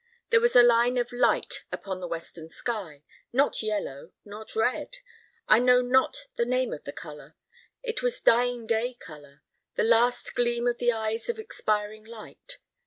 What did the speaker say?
There was a line of light upon the western sky, not yellow, not red: I know not the name of the colour; it was dying day colour; the last gleam of the eyes of expiring light.